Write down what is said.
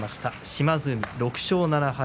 島津海６勝７敗。